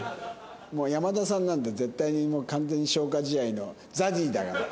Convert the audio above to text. もう山田さんなんて絶対に完全に消化試合のＺＡＺＹだから。